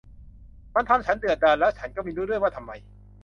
มันทำฉันเดือดดาลแล้วฉันก็ไม่รู้ด้วยว่าทำไม